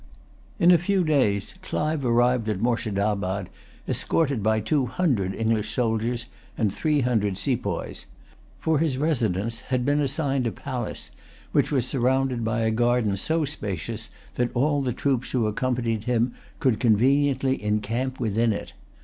In a few days Clive arrived at Moorshedabad, escorted by two hundred English soldiers and three hundred sepoys. For his residence had been assigned a palace, which was surrounded by a garden so spacious that all the troops who accompanied him could conveniently encamp within it.